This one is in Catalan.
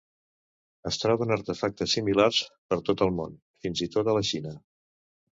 Es troben artefactes similars per tot el món, fins i tot a la Xina.